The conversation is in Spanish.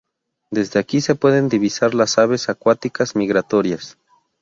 Desde aquí se pueden divisar las aves acuáticas migratorias.